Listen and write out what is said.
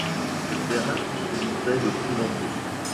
Le terrain montait de plus en plus